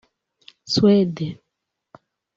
Suède